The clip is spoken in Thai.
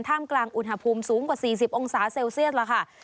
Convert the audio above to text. กลางอุณหภูมิสูงกว่า๔๐องศาเซลเซียสแล้วค่ะ